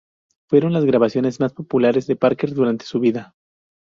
Fueron las grabaciones más populares de Parker durante su vida.